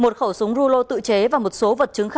thu giữ trên một mươi năm g